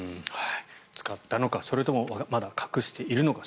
使ったのかそれとも、まだ隠しているのか。